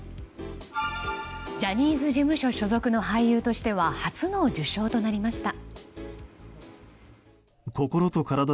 ジャニーズ事務所所属の俳優としては初の受章となりました。